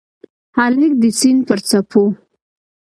هلک د سیند پر څپو